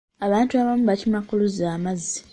Abantu abamu bakima ku luzzi amazzi.